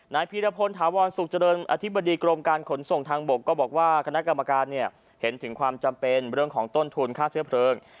พีรพลถาวรสุขเจริญอธิบดีกรมการขนส่งทางบกก็บอกว่าคณะกรรมการเนี่ยเห็นถึงความจำเป็นเรื่องของต้นทุนค่าเชื้อเพลิง